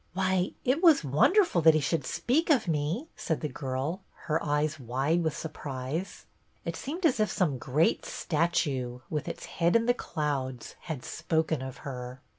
" Why, it was wonderful that he should speak of me," said the girl, her eyes wide with surprise. It seemed as if some great statue, with its head in the clouds, had spoken of her.